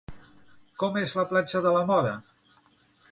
Com és la platja de La Mora?